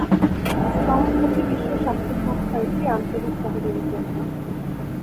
সংস্থাটি বিশ্ব স্বাস্থ্য সংস্থার একটি আঞ্চলিক সহযোগী কেন্দ্র।